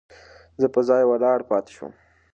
زه په ځای ولاړ پاتې شوم.